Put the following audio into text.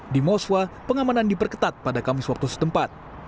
di moswa pengamanan diperketat pada kamis waktu setempat